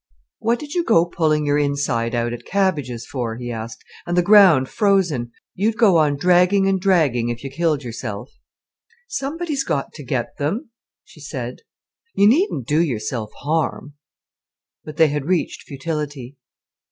"What did you go pulling your inside out at cabbages for," he asked, "and the ground frozen? You'd go on dragging and dragging, if you killed yourself." "Somebody's got to get them," she said. "You needn't do yourself harm." But they had reached futility.